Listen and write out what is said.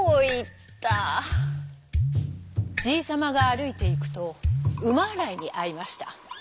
じいさまがあるいていくとうまあらいにあいました。